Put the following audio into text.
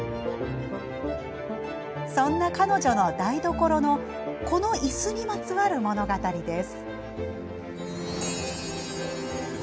そんな彼女の台所のこのいすにまつわる物語です。